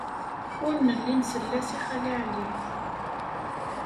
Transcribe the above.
Ur nelli nsell-as i Xali Ɛli.